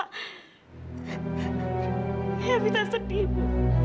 kita sedih bu